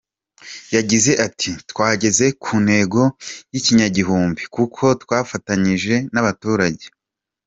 Yagize ati “ Twageze ku ntego y’ikinyagihumbi kuko twafatanyije n’abaturage.